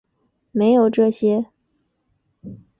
没有这些